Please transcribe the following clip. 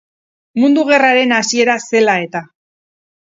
Mundu Gerraren hasiera zela eta.